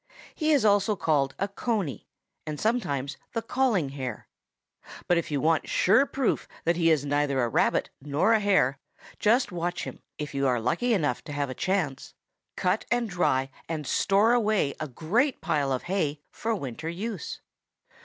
He is also called a Coney and sometimes the Calling Hare. But if you want sure enough proof that he is neither a Rabbit nor a Hare, just watch him, if you are lucky enough to have a chance, cut and dry and store away a great pile of hay for winter use.